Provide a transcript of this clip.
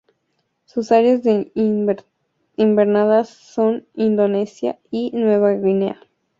Sus áreas de invernada son Indonesia y Nueva Guinea.